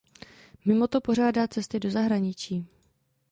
Mimoto pořádá cesty do zahraničí.